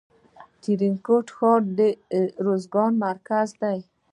د ترینکوټ ښار د ارزګان مرکز دی